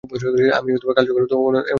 আমি কাল যখন ফিরবো ওনাদেরকে একবার কল করবো।